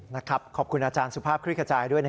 นะครับขอบคุณอาจารย์สุภาพคลิกระจายด้วยนะ